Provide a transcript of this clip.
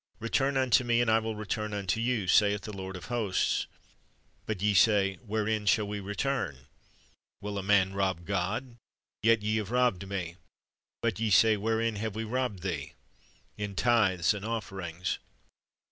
Return unto Me, and I will return unto you, saith the Lord of hosts. But ye .said, Wherein shall we return ? Will a man rob God ? Yet ye have robbed Me. But ye say, Wherein have we robbed Thee? In tithes and offerings."